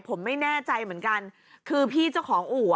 ผมไม่แน่ใจเหมือนกันคือพี่เจ้าของอู่อ่ะ